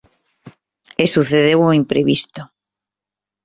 E sucedeu o imprevisto.